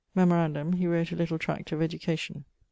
Memorandum, he wrote a little tract of education.